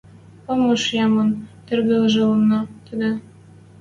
Ом уж ямын. Тыргыжлана тӹдӹ.